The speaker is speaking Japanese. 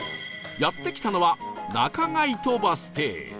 やって来たのは中開戸バス停